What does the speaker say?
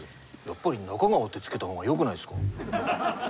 やっぱり「ナカガワ」って付けたほうがよくないですか？